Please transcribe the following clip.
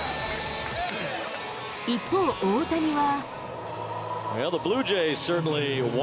一方、大谷は。